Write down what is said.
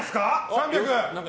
３００。